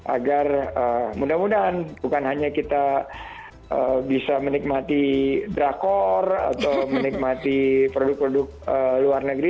agar mudah mudahan bukan hanya kita bisa menikmati drakor atau menikmati produk produk luar negeri